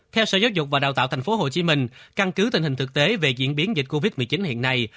theo sở giáo dục và đào tạo tp hcm căn cứ tình hình thực tế về diễn biến dịch covid một mươi chín hiện nay